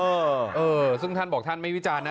เออซึ่งท่านบอกท่านไม่วิจารณ์นะ